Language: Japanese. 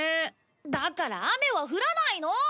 だから雨は降らないの！